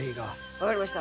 わかりました。